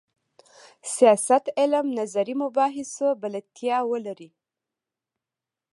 سیاست علم نظري مباحثو بلدتیا ولري.